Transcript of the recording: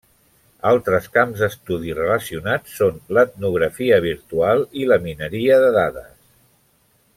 Altres camps d'estudi relacionats són l'Etnografia virtual i la Mineria de dades.